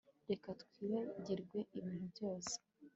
Reka twibagirwe ibintu byose